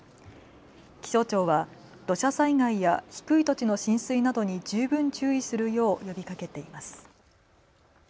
気象庁は土砂災害や低い土地の浸水などに十分注意するよう呼びかけています。